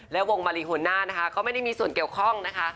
และวงบริหุณานะคะเขาไม่ได้มีส่วนเกี่ยวข้องนะคะ